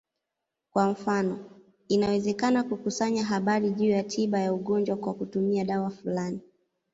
Kwa mfano, inawezekana kukusanya habari juu ya tiba ya ugonjwa kwa kutumia dawa fulani.